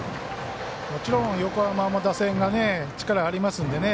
もちろん、横浜も打線が力ありますのでね。